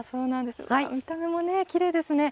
見た目もきれいですね。